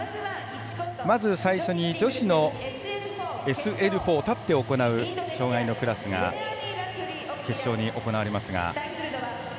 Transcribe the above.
まず最初に女子のＳＬ４立って行う障がいのクラスが決勝に行われますが。